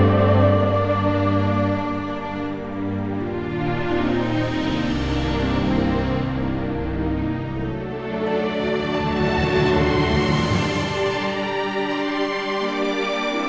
kamu iblis juga bisa